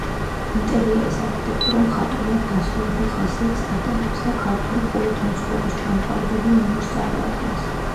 ინტერიერის არქიტექტურა მხატვრულად დასრულებულ ხასიათს ატარებს და ქართული ხუროთმოძღვრების ჩამოყალიბებულ ნიმუშს წარმოადგენს.